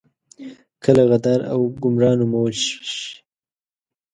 کله غدار او ګمرا نومول شوي.